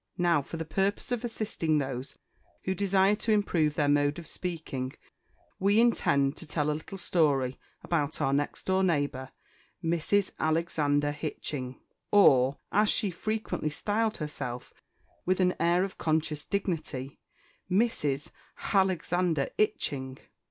Now, for the purpose of assisting those who desire to improve their mode of speaking, we intend to tell a little story about our next door neighbour, Mrs. Alexander Hitching, or, as she frequently styled herself, with an air of conscious dignity, Mrs. HALEXANDER 'ITCHING.